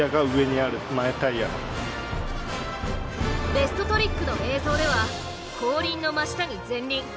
ベストトリックの映像では後輪の真下に前輪。